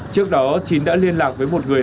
trước đó chín đã liên lạc với một người